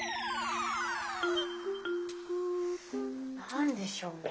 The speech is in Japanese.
何でしょうね？